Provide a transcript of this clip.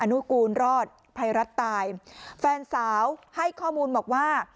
นุกูลรอดภัยรัฐตายแฟนสาวให้ข้อมูลบอกว่า